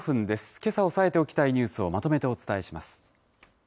けさ押さえておきたいニュースをまとめてお伝えします。